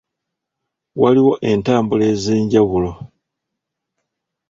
Waliwo entambula ez'enjawulo.